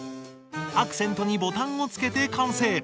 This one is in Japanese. アクセントにボタンを付けて完成。